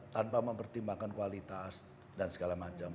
tanpa mempertimbangkan kualitas dan segala macam